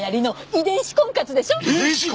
遺伝子婚活！？